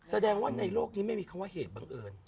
แสดงว่าในโลกนี้ไม่มีคำว่าเหตุบังเอิญ